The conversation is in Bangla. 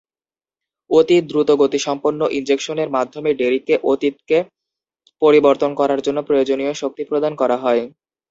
"অতি দ্রুতগতিসম্পন্ন" ইনজেকশনের মাধ্যমে ডেরিককে অতীতকে পরিবর্তন করার জন্য প্রয়োজনীয় শক্তি প্রদান করা হয়।